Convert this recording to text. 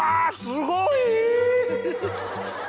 すごい！